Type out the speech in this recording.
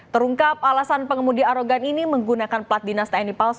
terungkap alasan pengemudi arogan ini menggunakan pelat nomor ini